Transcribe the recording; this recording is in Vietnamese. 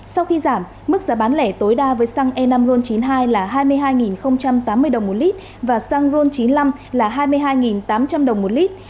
sau khi giảm mức giá bán lẻ tối đa với xăng e năm ron chín mươi hai là hai mươi hai tám mươi đồng một lít và xăng ron chín mươi năm là hai mươi hai tám trăm linh đồng một lít